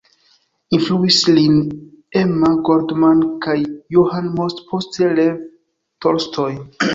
Influis lin Emma Goldman kaj Johann Most, poste Lev Tolstoj.